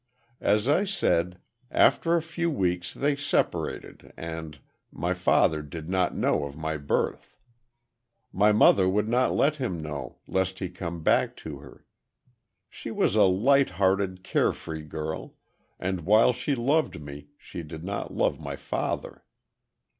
"As I said, after a few weeks they separated, and—my father did not know of my birth. My mother would not let him know, lest he come back to her. She was a light hearted, carefree girl, and while she loved me, she did not love my father.